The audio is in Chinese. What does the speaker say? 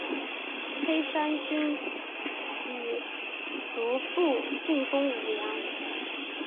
黑山军于毒部进攻武阳。